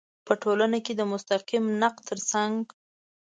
په ټولنه کې د مستقیم نقد تر څنګ